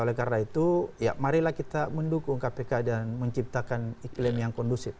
oleh karena itu ya marilah kita mendukung kpk dan menciptakan iklim yang kondusif